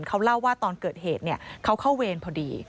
เขาเล่าว่าตอนเกิดเหตุเขาเข้าเวรพอดี